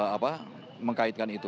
apa mengkaitkan itu